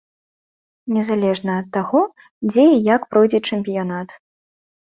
Незалежна ад таго, дзе і як пройдзе чэмпіянат.